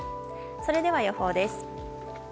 それでは予報です。